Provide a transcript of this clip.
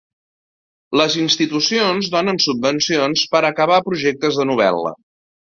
Les institucions donen subvencions per acabar projectes de novel·la.